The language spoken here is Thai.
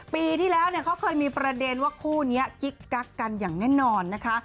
ปีที่แล้วเนี่ยเขาเคยมีประเด็นว่าคู่นี้กิ๊กกักกันอย่างแน่นอนนะคะ